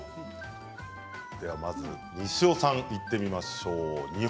まず西尾さん、いってみましょう。